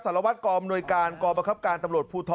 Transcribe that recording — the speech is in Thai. สารวัตรกรมหน่วยการกรบักครับการตำรวจผู้ทอ